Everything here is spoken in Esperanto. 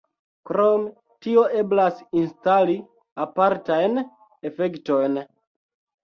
Krom tio eblas instali apartajn efektojn.